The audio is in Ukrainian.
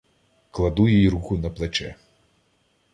Кладу їй руку на плече: